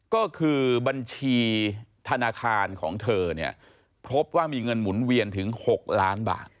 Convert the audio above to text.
ก็คือบัญชีธนาคารของเธอเนี่ยพบว่ามีเงินหมุนเวียนถึง๖ล้านบาท